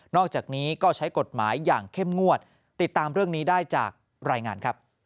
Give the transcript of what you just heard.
อกจากนี้ก็ใช้กฎหมายอย่างเข้มงวดติดตามเรื่องนี้ได้จากรายงานครับ